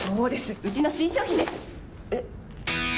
うちの新商品ですえ？